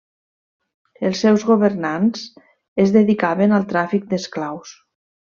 Els seus governants es dedicaven al tràfic d’esclaus.